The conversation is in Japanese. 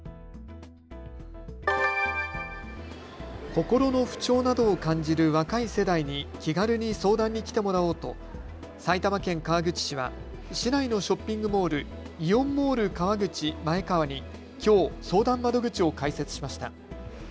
心の不調などを感じる若い世代に気軽に相談に来てもらおうと埼玉県川口市は市内のショッピングモール、イオンモール川口前川にきょう相談窓口を開設しました。